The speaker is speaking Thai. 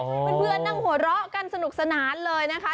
เพื่อนนั่งหัวเราะกันสนุกสนานเลยนะคะ